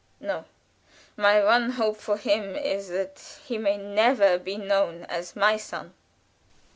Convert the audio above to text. "No; my one hope for him is that he may never be known as my son."